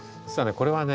これはね